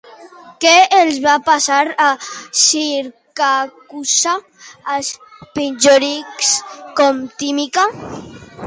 Què els va passar a Siracusa als pitagòrics com Timica?